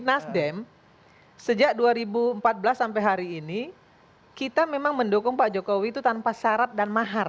nasdem sejak dua ribu empat belas sampai hari ini kita memang mendukung pak jokowi itu tanpa syarat dan mahar